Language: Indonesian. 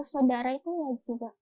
saudara itu ya juga